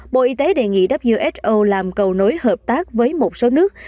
bộ y tế đề nghị who làm cầu nối hợp tác với một số nước